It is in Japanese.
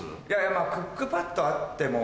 まぁクックパッドあっても。